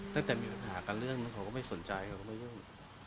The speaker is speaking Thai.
ตั้งแต่มีปัญหากันเรื่องนั้นเขาก็ไม่สนใจเขาก็ไม่ยุ่ง